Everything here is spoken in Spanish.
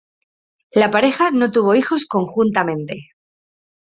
La pareja no tuvo hijos conjuntamente.